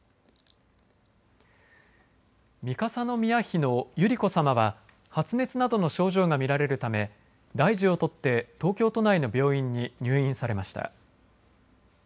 三笠宮妃の百合子さまは発熱などの症状が見られるため大事を取って東京都内の病院に入院されました。